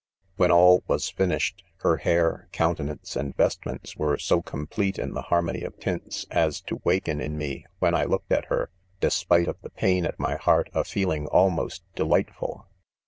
; i When all' was/' finished, her hair, counte nance and vestment's were so complete in the harmony of tints, 'W? Ito waken in me, when I looked : at "her, despite of the pain at my "heart, a feeling almost delightful.